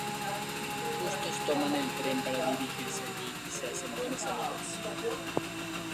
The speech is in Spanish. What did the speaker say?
Juntos toman el tren para dirigirse allí y se hacen buenos amigos.